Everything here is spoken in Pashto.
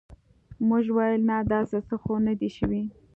موږ ویل نه داسې څه خو نه دي شوي.